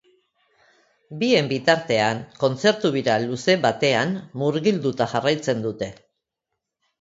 Bien bitartean, kontzertu bira luze batean murgilduta jarraitzen dute.